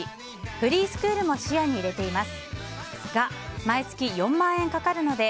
フリースクールも視野に入れています。